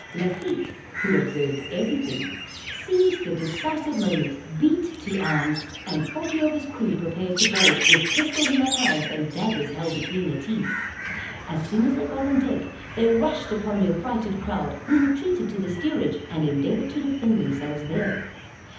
Lafitte, who observed every thing, seized the decisive moment, beat to arms, and forty of his crew prepared to board, with pistols in their hands and daggers held between their teeth. As soon as they got on deck, they rushed upon the affrighted crowd, who retreated to the steerage, and endeavored to defend themselves there.